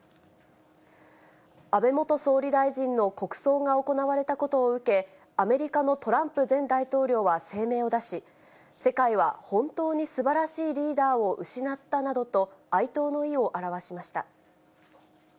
安倍元総理大臣の国葬が行われたことを受け、アメリカのトランプ前大統領は声明を出し、世界は、本当にすばらしいリーダーを失ったなどと、哀悼の意を表しました。